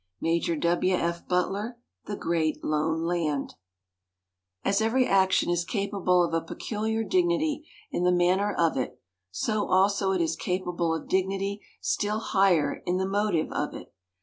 Major W. F. Butler: "The Great Lone Land." As every action is capable of a peculiar dignity in the manner of it, so also it is capable of dignity still higher in the motive of it.